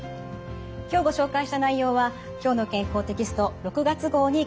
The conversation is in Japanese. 今日ご紹介した内容は「きょうの健康」テキスト６月号に掲載されています。